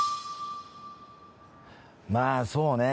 まあそうね。